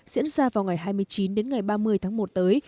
diễn ra vào ngày hai mươi chín đến ngày ba mươi tháng một tới